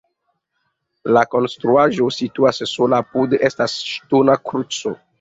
La konstruaĵo situas sola, apude estas ŝtona kruco.